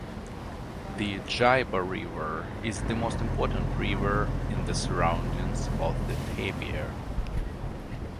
The Giba River is the most important river in the surroundings of the "tabia".